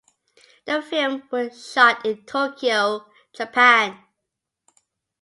The film was shot in Tokyo, Japan.